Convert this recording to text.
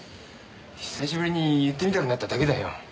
久しぶりに言ってみたくなっただけだよ。